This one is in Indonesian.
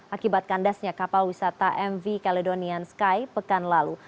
akibat kandasnya kapal wisata mv caledonian sky pekan lalu